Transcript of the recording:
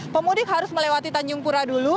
pemudik harus melewati tanjung pura dulu